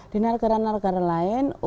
di negara negara lain